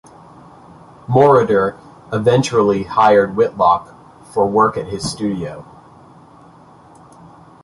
Moroder eventually hired Whitlock for work at his studio.